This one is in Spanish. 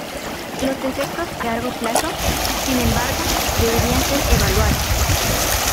Los efectos a largo plazo, sin embargo, deberían ser evaluados.